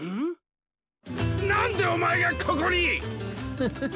なんでおまえがここに⁉フフン。